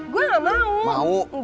gue gak mau